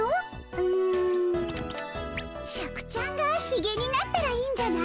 シャクちゃんがひげになったらいいんじゃない？